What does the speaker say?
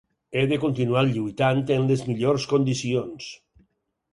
He de continuar lluitant en les millors condicions.